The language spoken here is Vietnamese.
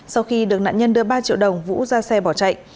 sau khi được nạn nhân đưa ba triệu đồng vũ ra xe bỏ chạy